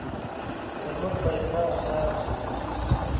زموږ پيسه انار دي.